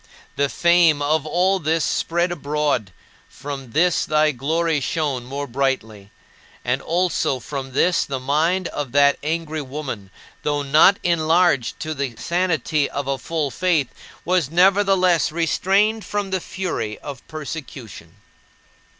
The fame of all this spread abroad; from this thy glory shone more brightly. And also from this the mind of that angry woman, though not enlarged to the sanity of a full faith, was nevertheless restrained from the fury of persecution.